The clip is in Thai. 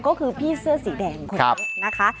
ก็คือพี่เสื้อสีแดงคนนี้นะคะ